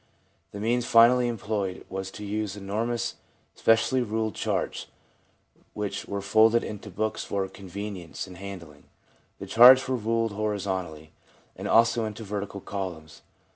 The means finally employed was to use enormous specially ruled charts, which were folded into books for convenience in handling. The charts were ruled horizontally, and also into vertical columns.